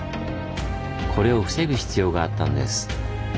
これを防ぐ必要があったんです。